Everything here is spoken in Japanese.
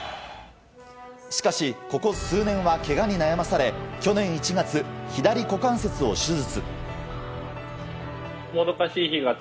しかし、ここ数年はけがに悩まされ去年１月、左股関節を手術。